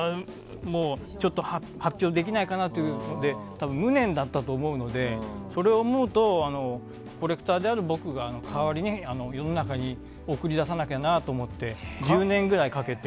発表できないかなというので多分、無念だったと思うのでそれを思うとコレクターである僕が代わりに世の中に送り出さなきゃなと思って１０年ぐらいかけて。